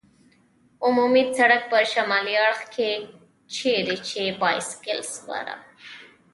عمومي سړک په شمالي اړخ کې، چېرې چې بایسکل سپاره.